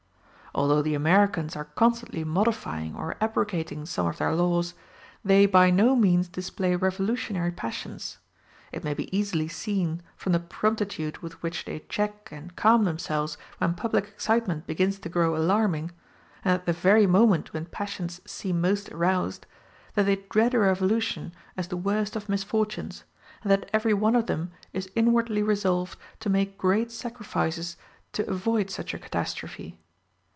Although the Americans are constantly modifying or abrogating some of their laws, they by no means display revolutionary passions. It may be easily seen, from the promptitude with which they check and calm themselves when public excitement begins to grow alarming, and at the very moment when passions seem most roused, that they dread a revolution as the worst of misfortunes, and that every one of them is inwardly resolved to make great sacrifices to avoid such a catastrophe.